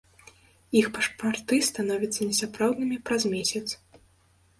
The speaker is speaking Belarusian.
Іх пашпарты становяцца несапраўднымі праз месяц.